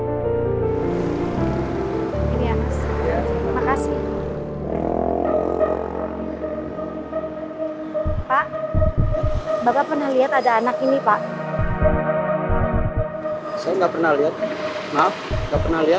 terima kasih pak